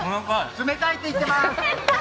冷たいって言ってます！